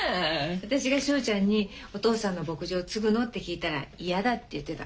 私が翔ちゃんに「お父さんの牧場継ぐの？」って聞いたら「嫌だ」って言ってた。